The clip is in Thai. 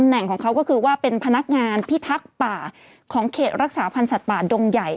แหล่งของเขาก็คือว่าเป็นพนักงานพิทักษ์ป่าของเขตรักษาพันธ์สัตว์ป่าดงใหญ่